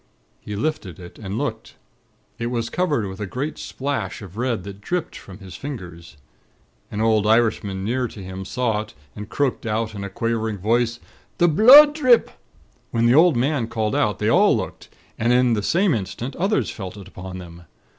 He lifted it, and looked. It was covered with a great splash of red that dripped from his fingers. An old Irishman near to him, saw it, and croaked out in a quavering voice: 'The bhlood dhrip!' When the old man called out, they all looked, and in the same instant others felt it upon them.